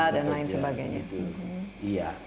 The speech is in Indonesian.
dan lain sebagainya